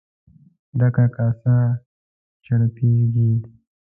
ډکه کاسه چړپېږي.